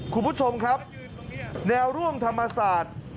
คุณผู้ชมครับแนวร่วมธรรมศาสตร์